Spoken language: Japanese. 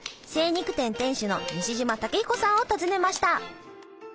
精肉店店主の西島武彦さんを訪ねました。